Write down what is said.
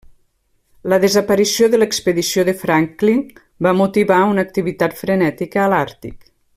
La desaparició de l'expedició de Franklin va motivar una activitat frenètica a l'Àrtic.